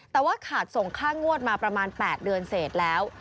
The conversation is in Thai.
แต่ว่าขาดส่งค่างวดมาประมาณ๘เดือนเสร็จแล้ว